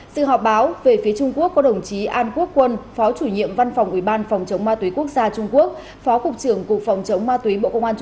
sự họp báo về phía trung quốc có đồng chí an quốc quân phó chủ nhiệm văn phòng ủy ban phòng chống ma túy